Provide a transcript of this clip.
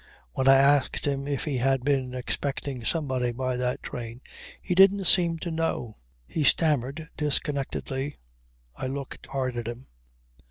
When I asked him if he had been expecting somebody by that train he didn't seem to know. He stammered disconnectedly. I looked hard at him.